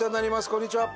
こんにちは。